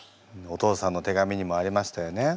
お父さんの手紙にもありましたよね。